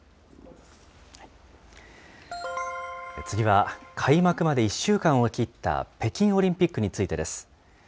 次は、開幕まで１週間を切った北京オリンピックについてです。